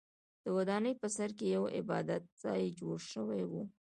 د ودانۍ په سر کې یو عبادت ځای جوړ شوی و.